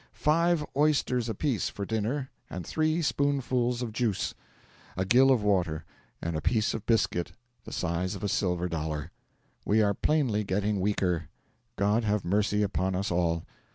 Five oysters apiece for dinner and three spoonfuls of juice, a gill of water, and a piece of biscuit the size of a silver dollar. 'We are plainly getting weaker God have mercy upon us all!'